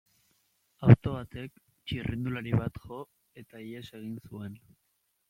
Auto batek txirrindulari bat jo, eta ihes egin zuen.